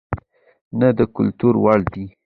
نه د کتلو وړ دى،